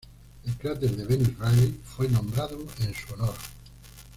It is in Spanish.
El cráter de Venus Riley fue nombrado en su honor.